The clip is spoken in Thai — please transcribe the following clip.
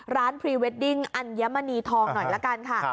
พรีเวดดิ้งอัญมณีทองหน่อยละกันค่ะ